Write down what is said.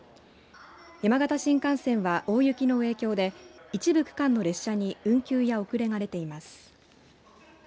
山形新幹線は大雪の影響で一部区間の列車に運休や遅れが出ています。